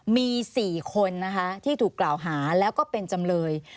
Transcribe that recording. มี๔คนนะคะที่ถูกกล่าวหาแล้วก็เป็นจำเลย